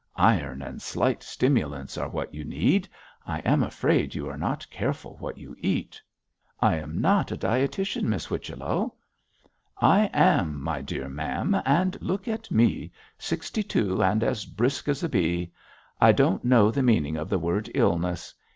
Iron and slight stimulants are what you need. I am afraid you are not careful what you eat.' 'I am not a dietitian, Miss Whichello.' 'I am, my dear ma'am; and look at me sixty two, and as brisk as a bee. I don't know the meaning of the word illness.